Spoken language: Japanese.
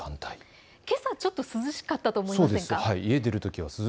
けさはちょっと涼しかったと思いませんか。